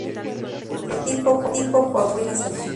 Localidad tipo: Coahuila: Saltillo.